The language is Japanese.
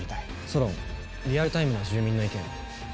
ソロンリアルタイムの住民の意見。